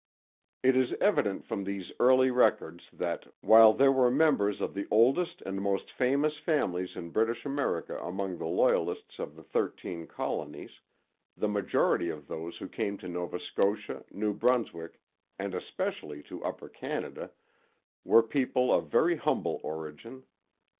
It is evident from these early records that, while there were members of the oldest and most famous families in British America among the Loyalists of the Thirteen Colonies, the majority of those who came to Nova Scotia, New Brunswick, and especially to Upper Canada, were people of very humble origin.